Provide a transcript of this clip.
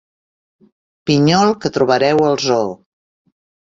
Pinyol que trobareu al zoo.